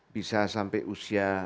bisa sampai usia